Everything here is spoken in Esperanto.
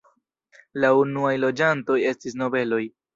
La unuaj loĝantoj estis nobeloj.